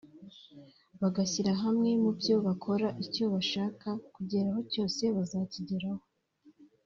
bagashyira hamwe mu byo bakora; icyo bashaka kugeraho cyose bazakigeraho